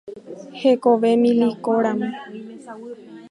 Hekove milíkoramo.